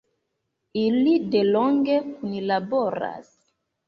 Ili delonge kunlaboras.